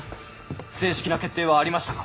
正式な決定はありましたか？